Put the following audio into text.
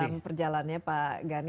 dalam perjalannya pak gani